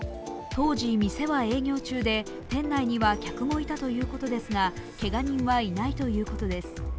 当時、店は営業中で店内には客もいたということですが、けが人はいないということです